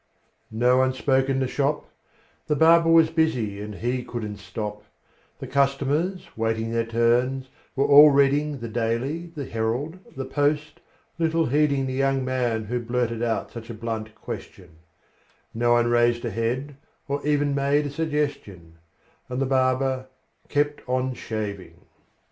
No one spoke in the shop: The barber was busy, and he couldn't stop; The customers, waiting their turns, were all reading The "Daily," the "Herald," the "Post," little heeding The young man who blurted out such a blunt question; Not one raised a head, or even made a suggestion; And the barber kept on shaving.